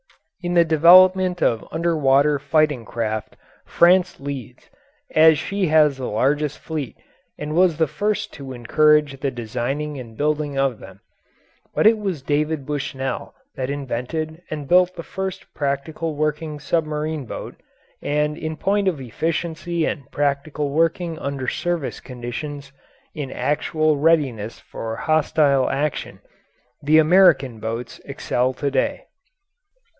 In the development of under water fighting craft France leads, as she has the largest fleet and was the first to encourage the designing and building of them. But it was David Bushnell that invented and built the first practical working submarine boat, and in point of efficiency and practical working under service conditions in actual readiness for hostile action the American boats excel to day.